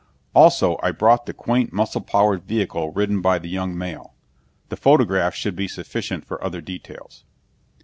Also, I brought the quaint muscle powered vehicle ridden by the young male. The photographs should be sufficient for other details."